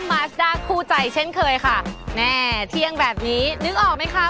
มาสด้าคู่ใจเช่นเคยค่ะแน่เที่ยงแบบนี้นึกออกไหมคะ